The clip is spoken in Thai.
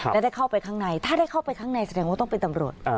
แล้วได้เข้าไปข้างในถ้าได้เข้าไปข้างในแสดงว่าต้องเป็นตำรวจ